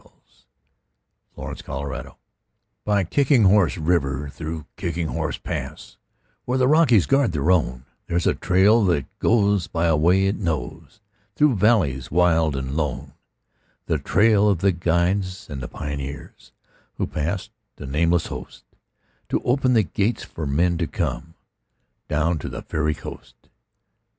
SONG OF THE KICKING HORSE By Kicking Horse River, through Kicking Horse Pass, Where the Rockies guard their own, There's a trail that goes by a way it knows Through valleys wild and lone,— The trail of the guides and the pioneers Who passed—a nameless host— To open the gates for men to come Down to the Fairy Coast.